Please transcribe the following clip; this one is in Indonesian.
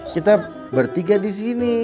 kita bertiga di sini